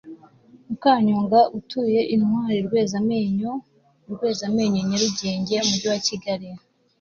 Mukanyonga utuye IntwariRwezamenyo I RwezamenyoNyarugenge Umujyi wa Kigali